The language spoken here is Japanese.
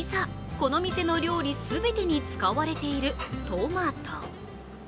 この店の料理すべてに使われているトマト。